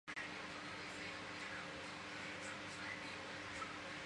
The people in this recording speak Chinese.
这使得巴哈伊理解的吉卜利勒启示给法蒂玛的内容和什叶派理解的存在冲突。